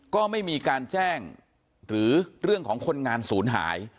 ก็ไม่มีการแจ้งหรือเรื่องของคนงานศูนย์หาย